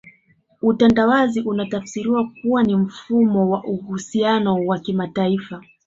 Utandawazi unatafsiriwa kuwa ni mfumo wa uhusiano wa kimataifa